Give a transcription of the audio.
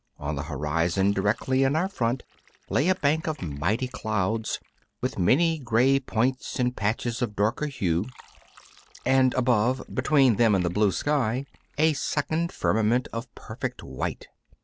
On the horizon, directly in our front, lay a bank of mighty clouds, with many grey points and patches of darker hue, and above, between them and the blue sky, a second firmament of perfect white.